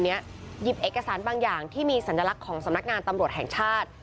หยิบเอกสารบางอย่างที่มีสัญลักษณ์ของสำนักงานตำรวจแห่งชาติ